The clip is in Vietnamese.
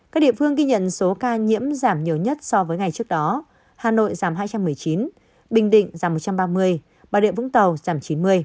các địa phương ghi nhận số ca nhiễm giảm nhiều nhất so với ngày trước đó hà nội giảm hai trăm một mươi chín bình định giảm một trăm ba mươi bà địa vũng tàu giảm chín mươi